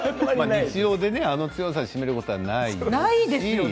日常であの強さで閉めることはないですよね。